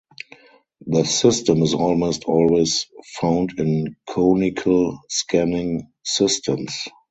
The system is almost always found in conical scanning systems.